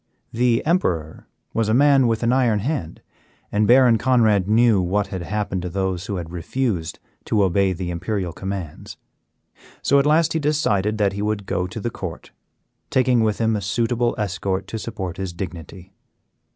The Emperor was a man with an iron hand, and Baron Conrad knew what had happened to those who had refused to obey the imperial commands. So at last he decided that he would go to the court, taking with him a suitable escort to support his dignity.